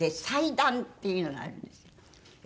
祭壇っていうのがあるんですよ。